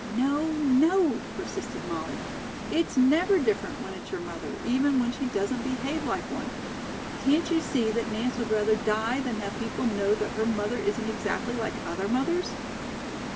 "No, no," persisted Molly; "it's never different when it's your mother, even when she doesn't behave like one. Can't you see that Nance would rather die than have people know that her mother isn't exactly like other mothers?"